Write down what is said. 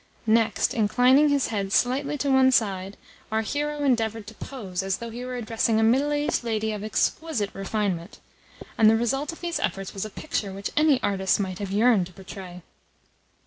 Next, inclining his head slightly to one side, our hero endeavoured to pose as though he were addressing a middle aged lady of exquisite refinement; and the result of these efforts was a picture which any artist might have yearned to portray.